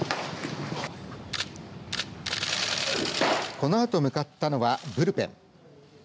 このあと向かったのはブルペン。